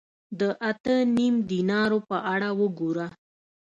د اته نیم دینارو په اړه وګوره